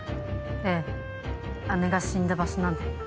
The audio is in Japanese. ええ姉が死んだ場所なんで。